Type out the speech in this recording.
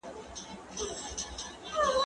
که وخت وي، مڼې خورم!.